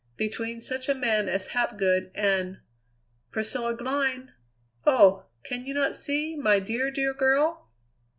Between such a man as Hapgood and Priscilla Glynn oh! can you not see my dear, dear girl?"